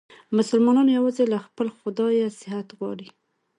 مسلمانان یووازې له خپل خدایه صحت غواړي.